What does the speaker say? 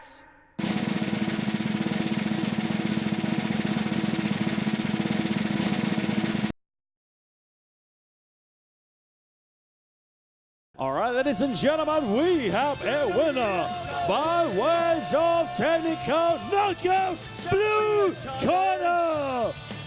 สุดท้ายครับทุกคนเรามีคำถามที่สุดของเทคโนิกอลแน็กเกิ้ลเบลือคอร์น่า